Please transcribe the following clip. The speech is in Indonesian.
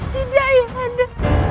tidak ya kanda